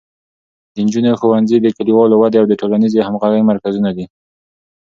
د نجونو ښوونځي د کلیوالو ودې او د ټولنیزې همغږۍ مرکزونه دي.